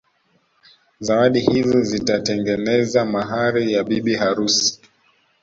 Zawadi hizi zitatengeneza mahari ya bibi harusi